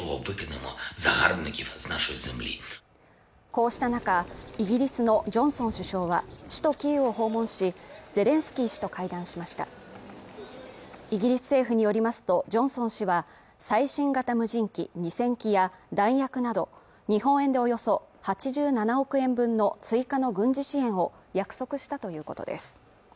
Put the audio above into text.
こうした中イギリスのジョンソン首相は首都キーウを訪問しゼレンスキー氏と会談しましたイギリス政府によりますとジョンソン氏は最新型無人機２０００機や弾薬など日本円でおよそ８７億円分の追加の軍事支援を約束したということです